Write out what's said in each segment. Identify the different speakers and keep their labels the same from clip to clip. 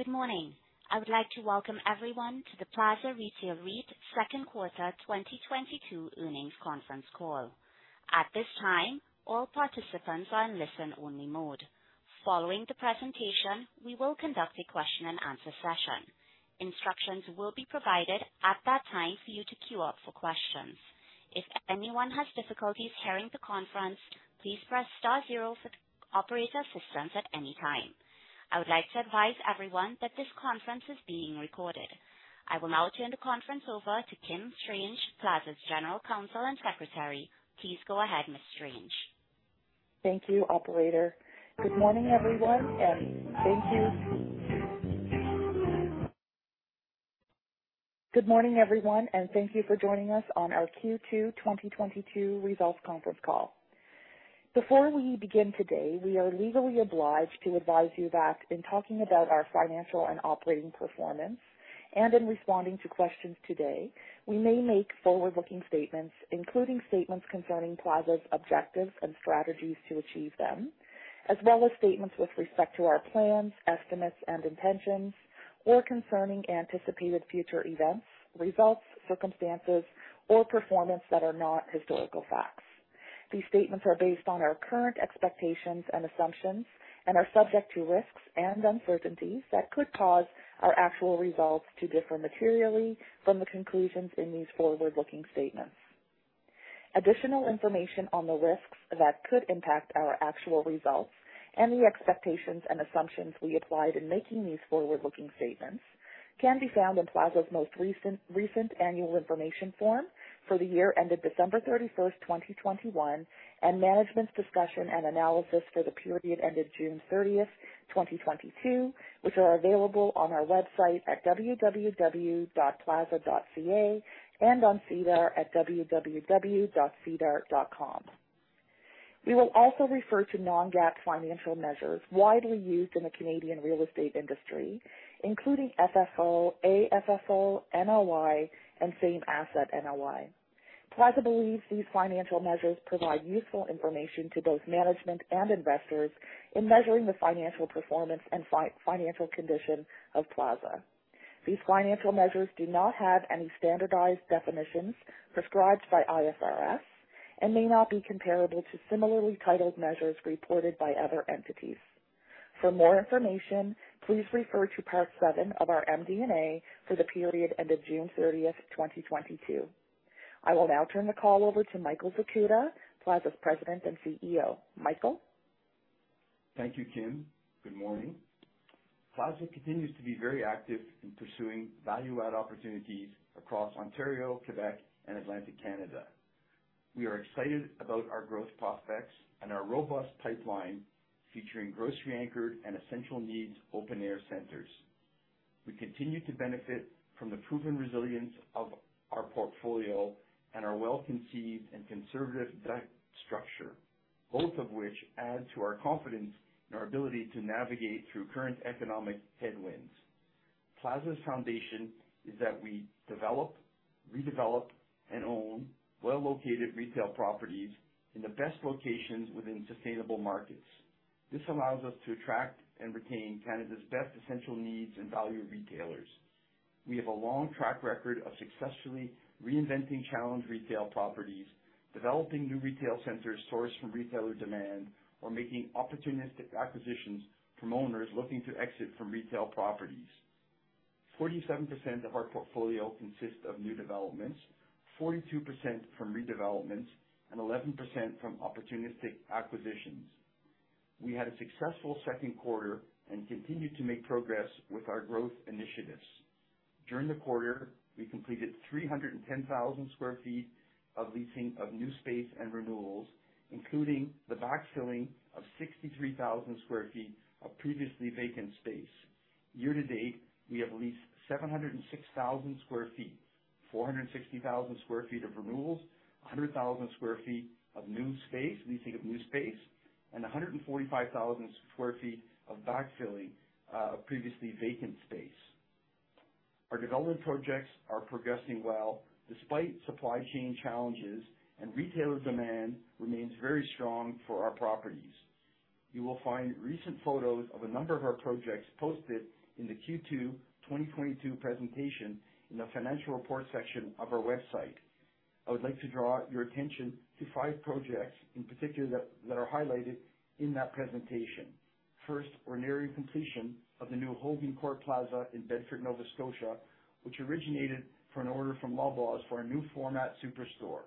Speaker 1: Good morning. I would like to welcome everyone to the Plaza Retail REIT second quarter 2022 earnings conference call. At this time, all participants are in listen-only mode. Following the presentation, we will conduct a question and answer session. Instructions will be provided at that time for you to queue up for questions. If anyone has difficulties hearing the conference, please press star zero for operator assistance at any time. I would like to advise everyone that this conference is being recorded. I will now turn the conference over to Kimberly Strange, Plaza's General Counsel and Secretary. Please go ahead, Ms. Strange.
Speaker 2: Thank you, operator. Good morning, everyone, and thank you for joining us on our Q2 2022 results conference call. Before we begin today, we are legally obliged to advise you that in talking about our financial and operating performance and in responding to questions today, we may make forward-looking statements, including statements concerning Plaza's objectives and strategies to achieve them, as well as statements with respect to our plans, estimates, and intentions, or concerning anticipated future events, results, circumstances, or performance that are not historical facts. These statements are based on our current expectations and assumptions and are subject to risks and uncertainties that could cause our actual results to differ materially from the conclusions in these forward-looking statements. Additional information on the risks that could impact our actual results and the expectations and assumptions we applied in making these forward-looking statements can be found in Plaza's most recent annual information form for the year ended December 31st, 2021, and management's discussion and analysis for the period ended June 30th, 2022, which are available on our website at www.plaza.ca and on SEDAR at www.sedar.com. We will also refer to non-GAAP financial measures widely used in the Canadian real estate industry, including FFO, AFFO, NOI, and Same-Asset NOI. Plaza believes these financial measures provide useful information to both management and investors in measuring the financial performance and financial condition of Plaza. These financial measures do not have any standardized definitions prescribed by IFRS and may not be comparable to similarly titled measures reported by other entities. For more information, please refer to paragraph seven of our MD&A for the period ended June 30, 2022. I will now turn the call over to Michael Zakuta, Plaza's President and CEO. Michael?
Speaker 3: Thank you, Kim. Good morning. Plaza continues to be very active in pursuing value add opportunities across Ontario, Quebec, and Atlantic Canada. We are excited about our growth prospects and our robust pipeline, featuring grocery anchored and essential needs open air centers. We continue to benefit from the proven resilience of our portfolio and our well-conceived and conservative debt structure, both of which add to our confidence in our ability to navigate through current economic headwinds. Plaza's foundation is that we develop, redevelop, and own well-located retail properties in the best locations within sustainable markets. This allows us to attract and retain Canada's best essential needs and value retailers. We have a long track record of successfully reinventing challenged retail properties, developing new retail centers sourced from retailer demand, or making opportunistic acquisitions from owners looking to exit from retail properties. 47% of our portfolio consists of new developments, 42% from redevelopments, and 11% from opportunistic acquisitions. We had a successful second quarter and continued to make progress with our growth initiatives. During the quarter, we completed 310,000 sq ft of leasing of new space and renewals, including the backfilling of 63,000 sq ft of previously vacant space. Year to date, we have leased 706,000 sq ft, 460,000 sq ft of renewals, 100,000 sq ft of new space, and 145,000 sq ft of backfilling previously vacant space. Our development projects are progressing well despite supply chain challenges and retailer demand remains very strong for our properties. You will find recent photos of a number of our projects posted in the Q2 2022 presentation in the financial report section of our website. I would like to draw your attention to five projects in particular that are highlighted in that presentation. First, we're nearing completion of the new Hogan Court Plaza in Bedford, Nova Scotia, which originated from an order from Loblaws for a new format super store.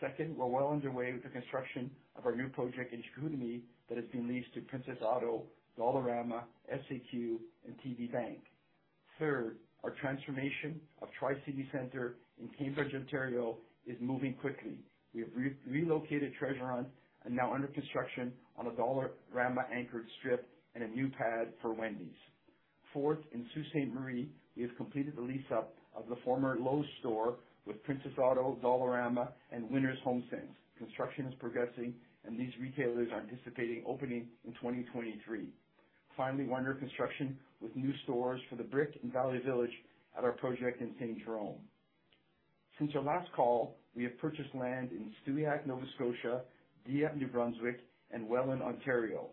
Speaker 3: Second, we're well underway with the construction of our new project in Chicoutimi that has been leased to Princess Auto, Dollarama, SAQ, and TD Bank. Third, our transformation of Tri-City Centre in Cambridge, Ontario, is moving quickly. We have relocated Treasure Hunt and now under construction on a Dollarama anchored strip and a new pad for Wendy's. Fourth, in Sault Ste. Marie, we have completed the lease-up of the former Lowe's store with Princess Auto, Dollarama, and Winners HomeSense. Construction is progressing, and these retailers are anticipating opening in 2023. Finally, we're under construction with new stores for The Brick and Dollarama at our project in Saint-Jérôme. Since our last call, we have purchased land in Stewiacke, Nova Scotia, Dieppe, New Brunswick, and Welland, Ontario.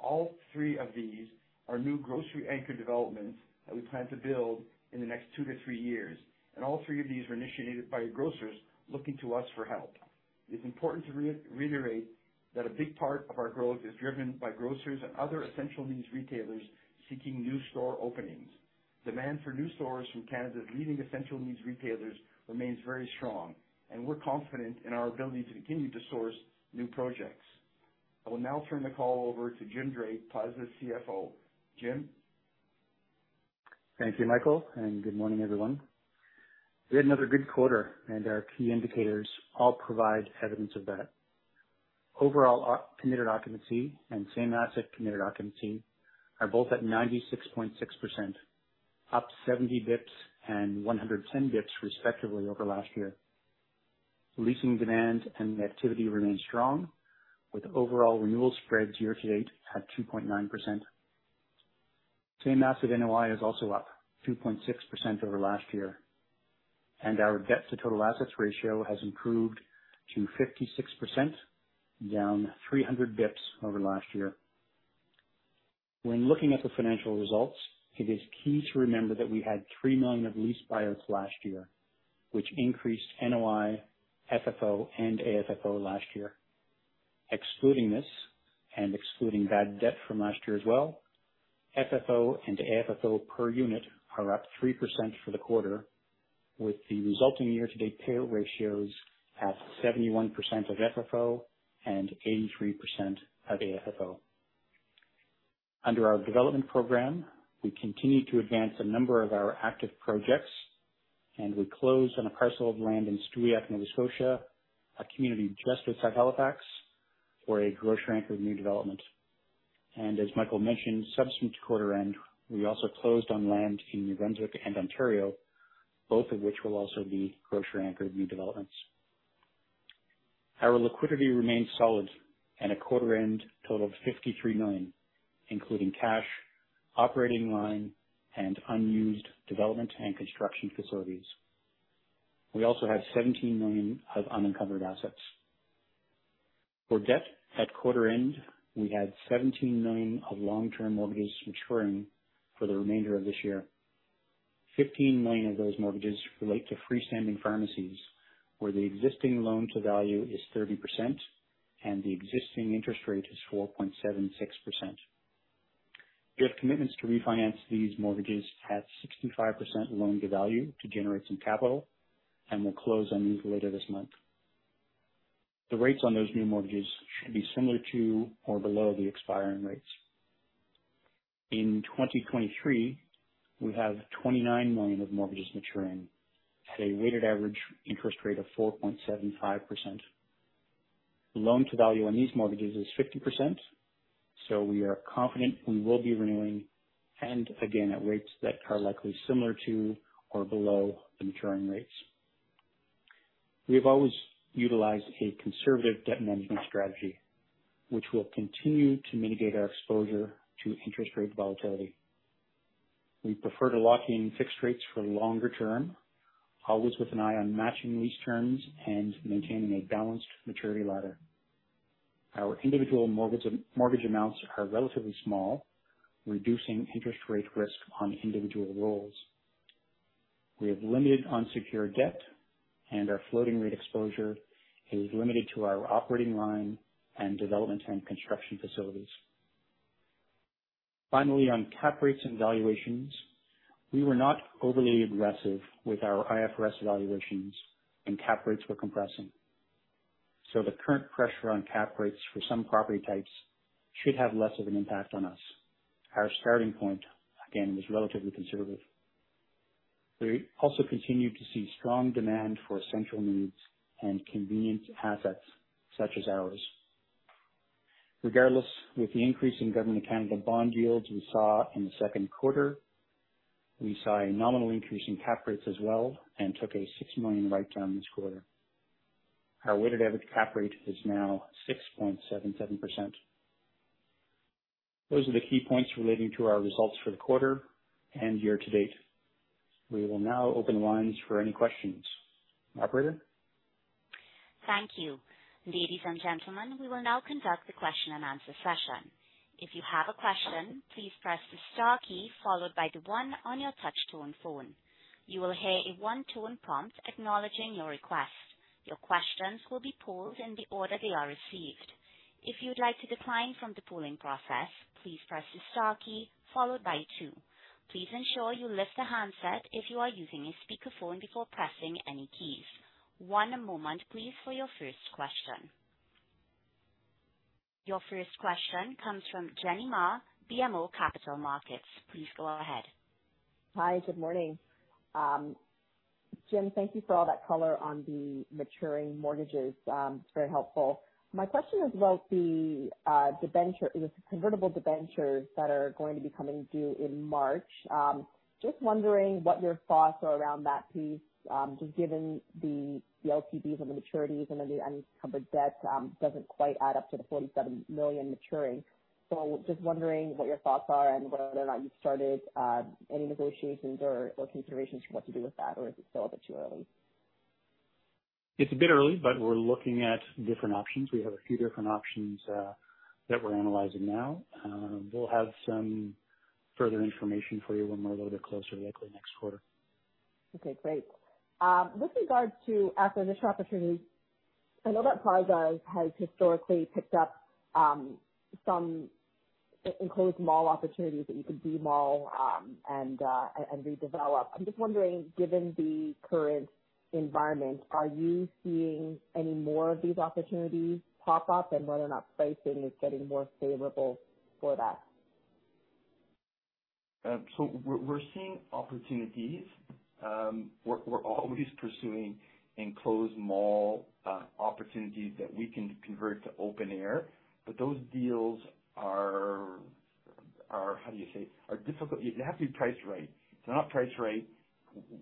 Speaker 3: All three of these are new grocery anchor developments that we plan to build in the next two to three years, and all three of these were initiated by grocers looking to us for help. It's important to reiterate that a big part of our growth is driven by grocers and other essential needs retailers seeking new store openings. Demand for new stores from Canada's leading essential needs retailers remains very strong, and we're confident in our ability to continue to source new projects. I will now turn the call over to Jim Drake, Plaza's CFO. Jim?
Speaker 4: Thank you, Michael, and good morning, everyone. We had another good quarter, and our key indicators all provide evidence of that. Overall committed occupancy and same-asset committed occupancy are both at 96.6%, up 70 bps and 110 bps respectively over last year. Leasing demand and activity remains strong with overall renewal spreads year-to-date at 2.9%. Same-Asset NOI is also up 2.6% over last year, and our debt to total assets ratio has improved to 56%, down 300 bps over last year. When looking at the financial results, it is key to remember that we had 3 million of lease buyouts last year, which increased NOI, FFO, and AFFO last year. Excluding this and excluding bad debt from last year as well, FFO and AFFO per unit are up 3% for the quarter, with the resulting year-to-date payout ratios at 71% of FFO and 83% of AFFO. Under our development program, we continue to advance a number of our active projects, and we closed on a parcel of land in Stewiacke, Nova Scotia, a community just outside Halifax, for a grocery-anchored new development. As Michael mentioned, subsequent to quarter end, we also closed on land in New Brunswick and Ontario, both of which will also be grocery-anchored new developments. Our liquidity remains solid at a quarter-end total of 53 million, including cash, operating line, and unused development and construction facilities. We also have 17 million of unencumbered assets. For debt at quarter end, we had 17 million of long-term mortgages maturing for the remainder of this year. 15 million of those mortgages relate to freestanding pharmacies, where the existing loan to value is 30% and the existing interest rate is 4.76%. We have commitments to refinance these mortgages at 65% loan to value to generate some capital and will close on these later this month. The rates on those new mortgages should be similar to or below the expiring rates. In 2023, we have 29 million of mortgages maturing at a weighted average interest rate of 4.75%. The loan to value on these mortgages is 50%, so we are confident we will be renewing and again at rates that are likely similar to or below the maturing rates. We have always utilized a conservative debt management strategy, which will continue to mitigate our exposure to interest rate volatility. We prefer to lock in fixed rates for longer term, always with an eye on matching lease terms and maintaining a balanced maturity ladder. Our individual mortgage amounts are relatively small, reducing interest rate risk on individual rolls. We have limited unsecured debt and our floating rate exposure is limited to our operating line and development and construction facilities. Finally, on cap rates and valuations, we were not overly aggressive with our IFRS valuations and cap rates were compressing. The current pressure on cap rates for some property types should have less of an impact on us. Our starting point, again, was relatively conservative. We also continue to see strong demand for essential needs and convenience assets such as ours. Regardless, with the increase in Government of Canada bond yields we saw in the second quarter, we saw a nominal increase in cap rates as well and took a 6 million write-down this quarter. Our weighted average cap rate is now 6.77%. Those are the key points relating to our results for the quarter and year to date. We will now open lines for any questions. Operator?
Speaker 1: Thank you. Ladies and gentlemen, we will now conduct the question and answer session. If you have a question, please press the star key followed by the one on your touch tone phone. You will hear a one-tone prompt acknowledging your request. Your questions will be pulled in the order they are received. If you'd like to decline from the queuing process, please press the star key followed by two. Please ensure you lift the handset if you are using a speakerphone before pressing any keys. One moment please for your first question. Your first question comes from Jenny Ma, BMO Capital Markets. Please go ahead.
Speaker 5: Hi. Good morning. Jim, thank you for all that color on the maturing mortgages. It's very helpful. My question is about the debenture, the convertible debentures that are going to be coming due in March. Just wondering what your thoughts are around that piece, just given the LTVs and the maturities and then the unencumbered debt doesn't quite add up to the 47 million maturing. Just wondering what your thoughts are and whether or not you've started any negotiations or considerations for what to do with that or is it still a bit too early?
Speaker 3: It's a bit early, but we're looking at different options. We have a few different options that we're analyzing now. We'll have some further information for you when we're a little bit closer, likely next quarter.
Speaker 5: Okay, great. With regard to asset acquisition opportunities, I know that Plaza has historically picked up some enclosed mall opportunities that you could de-mall and redevelop. I'm just wondering, given the current environment, are you seeing any more of these opportunities pop up and whether or not pricing is getting more favorable for that?
Speaker 3: We're seeing opportunities. We're always pursuing enclosed mall opportunities that we can convert to open air, but those deals are difficult. They have to be priced right. If they're not priced right,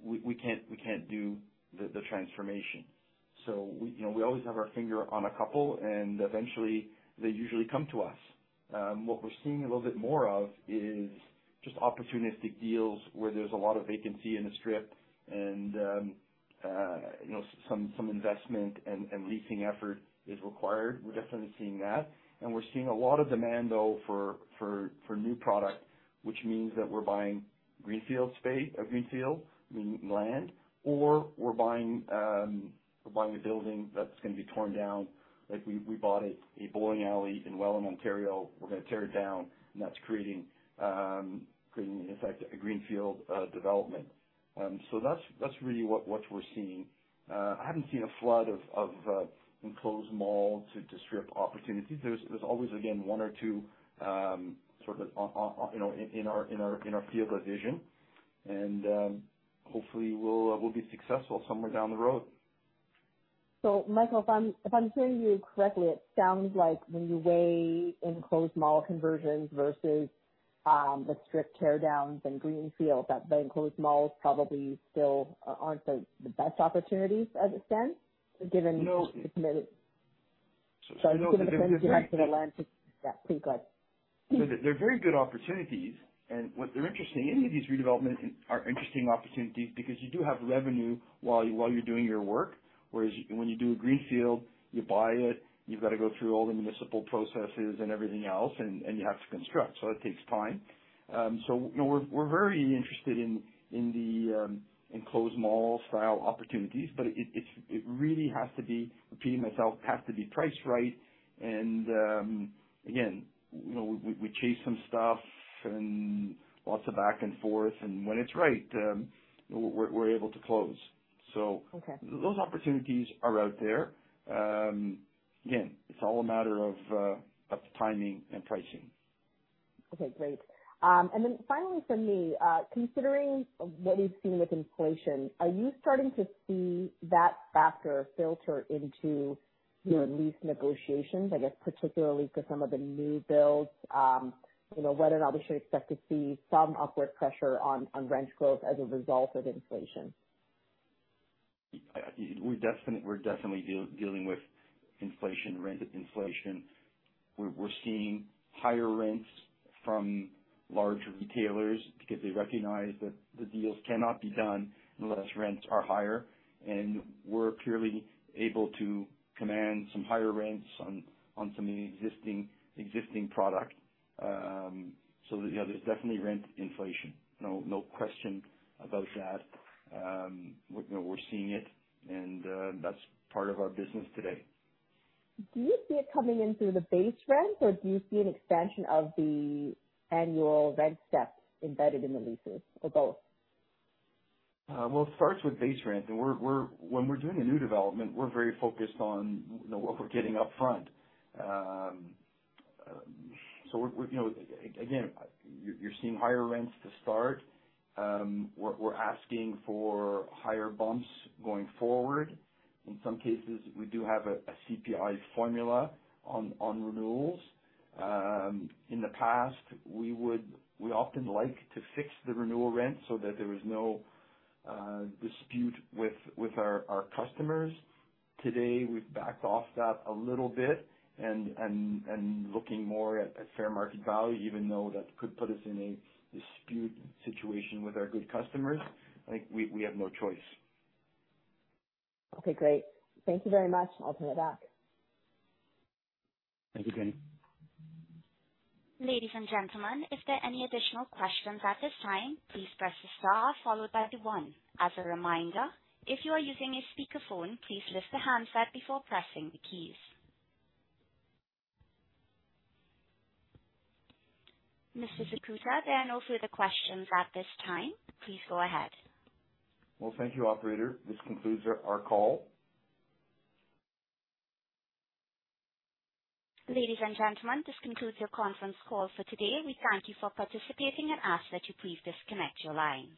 Speaker 3: we can't do the transformation. We, you know, we always have our finger on a couple, and eventually they usually come to us. What we're seeing a little bit more of is just opportunistic deals where there's a lot of vacancy in the strip and you know, some investment and leasing effort is required. We're definitely seeing that. We're seeing a lot of demand though for new product, which means that we're buying greenfield space, we need land, or we're buying a building that's gonna be torn down. Like we bought a bowling alley in Welland, Ontario. We're gonna tear it down. That's creating in effect a greenfield development. That's really what we're seeing. I haven't seen a flood of enclosed malls to strip opportunities. There's always, again, one or two sort of, you know, in our field of vision. Hopefully we'll be successful somewhere down the road.
Speaker 5: Michael, if I'm hearing you correctly, it sounds like when you weigh enclosed mall conversions versus the strip teardowns and greenfield, that the enclosed malls probably still aren't the best opportunities as it stands, given-
Speaker 3: No.
Speaker 5: The commitment.
Speaker 3: No.
Speaker 5: Sorry. Yeah, please go ahead.
Speaker 3: They're very good opportunities. Any of these redevelopment are interesting opportunities because you do have revenue while you're doing your work, whereas when you do a greenfield, you buy it, you've got to go through all the municipal processes and everything else, and you have to construct. That takes time. You know, we're very interested in the enclosed mall style opportunities, but it really has to be, repeating myself, has to be priced right. Again, you know, we chase some stuff and lots of back and forth, and when it's right, we're able to close. So
Speaker 5: Okay.
Speaker 3: Those opportunities are out there. Again, it's all a matter of timing and pricing.
Speaker 5: Okay, great. Finally from me, considering what you're seeing with inflation, are you starting to see that factor filter into your lease negotiations? I guess particularly for some of the new builds, you know, whether or not we should expect to see some upward pressure on rent growth as a result of inflation.
Speaker 3: We're definitely dealing with inflation, rent inflation. We're seeing higher rents from larger retailers because they recognize that the deals cannot be done unless rents are higher, and we're now able to command some higher rents on some of the existing product. Yeah, there's definitely rent inflation. No question about that. You know, we're seeing it and that's part of our business today.
Speaker 5: Do you see it coming in through the base rent or do you see an expansion of the annual rent steps embedded in the leases, or both?
Speaker 3: Well, it starts with base rent and we're. When we're doing a new development, we're very focused on, you know, what we're getting upfront. So we're. You know, again, you're seeing higher rents to start. We're asking for higher bumps going forward. In some cases, we do have a CPI formula on renewals. In the past, we would. We often like to fix the renewal rent so that there is no dispute with our customers. Today, we've backed off that a little bit and looking more at fair market value, even though that could put us in a dispute situation with our good customers, I think we have no choice.
Speaker 5: Okay, great. Thank you very much. I'll turn it back.
Speaker 3: Thank you, Jenny.
Speaker 1: Ladies and gentlemen, if there are any additional questions at this time, please press star followed by the one. As a reminder, if you are using a speakerphone, please lift the handset before pressing the keys. Mr. Zakuta, there are no further questions at this time. Please go ahead.
Speaker 3: Well, thank you, operator. This concludes our call.
Speaker 1: Ladies and gentlemen, this concludes your conference call for today. We thank you for participating and ask that you please disconnect your lines.